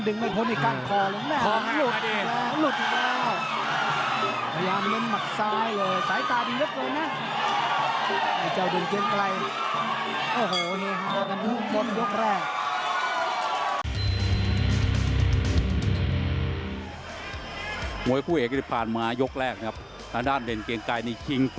เดินไม่ผสด์ในกล้างคอเลยนะ